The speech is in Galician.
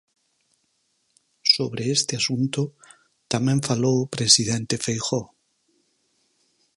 Sobre este asunto tamén falou o presidente Feijóo.